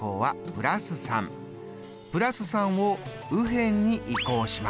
＋３を右辺に移項します。